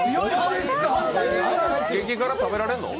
激辛、食べられるの？